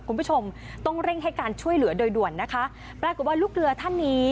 คุณผู้ชมต้องเร่งให้การช่วยเหลือโดยด่วนนะคะปรากฏว่าลูกเรือท่านนี้